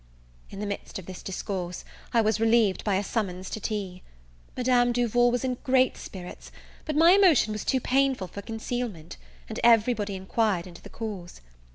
In the midst of this discourse, I was relieved by a summons to tea. Madame Duval was in great spirits; but my emotion was too painful for concealment, and every body enquired into the cause.